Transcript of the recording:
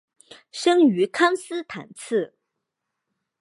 生于康斯坦茨。